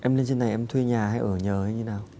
em lên trên này em thuê nhà hay ở nhà hay như nào